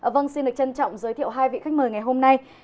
vâng xin được trân trọng giới thiệu hai vị khách mời ngày hôm nay